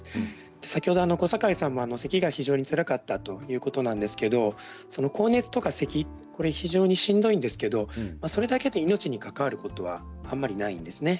先ほど小堺さんは、せきが非常につらかったということなんですけれども、高熱とかせき非常にしんどいんですけれどもそれだけで命に関わることはあまりないんですね。